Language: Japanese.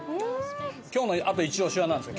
今日のイチ押しはなんですか？